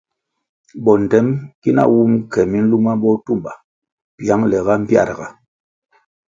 Bondtem ki na wun ke miluma botumba piangle ga mbpiarga.